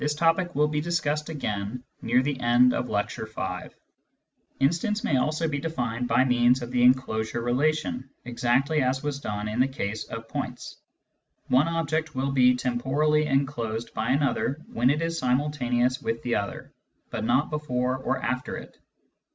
5, pp. 441 449 Digitized by Google WORLDS OF PHYSICS AND OF SENSE 121 Instants may also be defined by means of the enclosure relation, exactly as was done in the case of points. One object will be temporally enclosed by another when it is simultaneous with the other, but not before or after it.